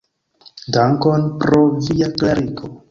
Dankon pro via klarigo!